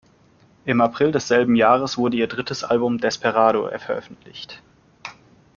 Im April desselben Jahres wurde ihr drittes Album "Desperado" veröffentlicht.